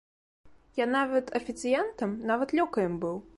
Я нават афіцыянтам, нават лёкаем быў.